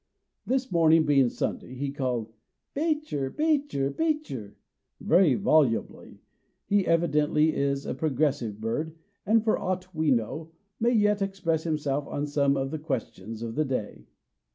This morning being Sunday, he called "Beecher, Beecher, Beecher!" very volubly. He evidently is a progressive bird, and, for aught we know, may yet express himself on some of the questions of the day.